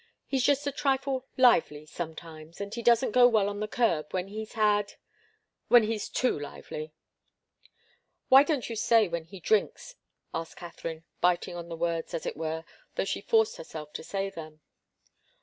He's just a trifle lively sometimes, and he doesn't go well on the curb when he's had when he's too lively " "Why don't you say when he drinks?" asked Katharine, biting on the words, as it were, though she forced herself to say them.